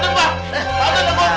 ayo bantu mbah